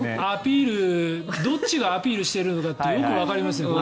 どっちがアピールしてるのかってよくわかりますよね。